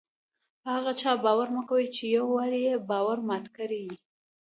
په هغه چا باور مه کوئ! چي یو وار ئې باور مات کړى يي.